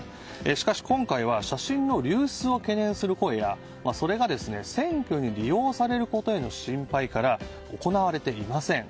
しかし今回は写真の流出を懸念する声やそれが選挙に利用されることへの心配から行われていません。